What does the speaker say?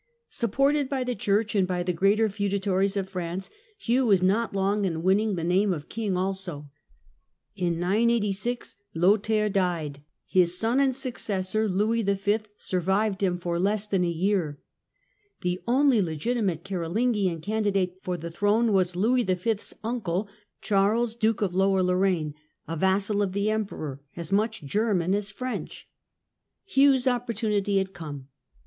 Supported by the Church and by the greater feudatories of France, Hugh was not long in winning the name of king also. In 986 Lothair died. His son and successor, Louis V., survived Louis v., him for less than a year. The only legitimate Carolingian candidate for the throne was Louis V.'s uncle, Charles, Duke of Lower Lorraine, a vassal of the Emperor, as much German as French. Hugh's opportunity had come.